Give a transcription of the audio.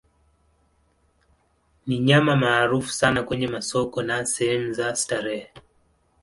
Ni nyama maarufu sana kwenye masoko na sehemu za starehe.